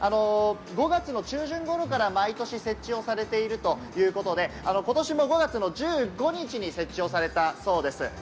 ５月の中旬頃から毎年設置をされているということで、今年も５月の１５日に設置されたそうです。